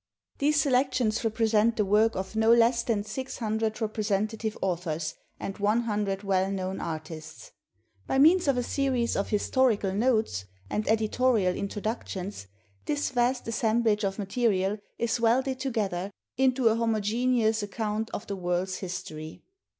These selections represent the work of no less than six hundred representative authors and one hundred well known artists. By means of a series of historical notes and editorial introductions, this vast assemblage xix PUBLISHERS' NOTE of material is welded together, into a homogeneous account of the world's history.